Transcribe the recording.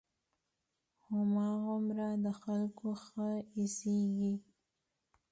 هماغومره د خلقو ښه اېسېږي.